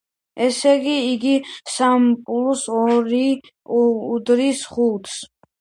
ესე იგი, სამს პლუს ორი უდრის ხუთს.